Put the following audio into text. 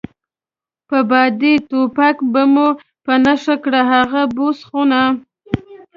په بادي ټوپک به مو په نښه کړه، هغه بوس خونه.